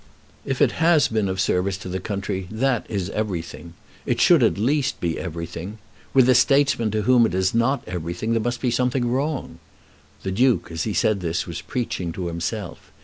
"If it has been of service to the country, that is everything. It should at least be everything. With the statesman to whom it is not everything there must be something wrong." The Duke, as he said this, was preaching to himself.